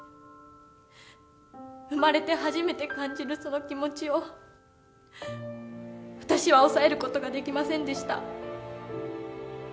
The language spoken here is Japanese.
生まれて初めて感じるその気持ちを私は抑える事ができませんでした。